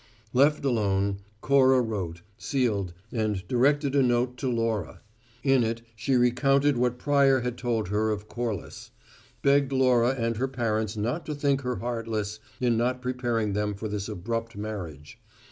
Left alone, Cora wrote, sealed, and directed a note to Laura. In it she recounted what Pryor had told her of Corliss; begged Laura and her parents not to think her heartless in not preparing them for this abrupt marriage.